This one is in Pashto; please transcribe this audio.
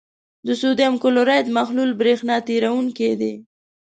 د سوډیم کلورایډ محلول برېښنا تیروونکی دی.